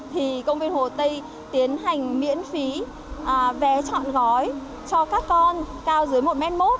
thì công viên hồ tây tiến hành miễn phí vé chọn gói cho các con cao dưới một mốt